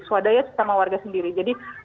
swadaya sesama warga sendiri jadi